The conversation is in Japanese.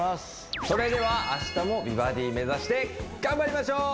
それでは明日も美バディ目指して頑張りましょう！